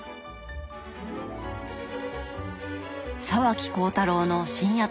沢木耕太郎の「深夜特急」。